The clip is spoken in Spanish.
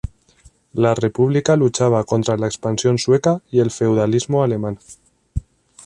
La República luchaba contra la expansión sueca y el feudalismo alemán.